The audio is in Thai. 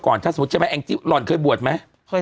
ก่อนถ้าสมมุติใช่ไหมอังจิหล่อนเคยบววดไหมเคย